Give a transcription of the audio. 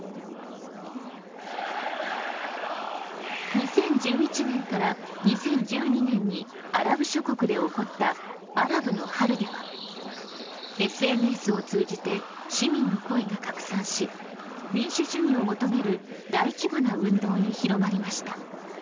２０１１年から２０１２年にアラブ諸国で起こったアラブの春ではＳＮＳを通じて市民の声が拡散し民主主義を求める大規模な運動に広まりました。